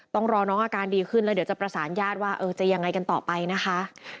ต้องรอน้องอาการดีขึ้นแล้วเดี๋ยวจะประสานญาติว่าจะยังไงกันต่อไปนะคะ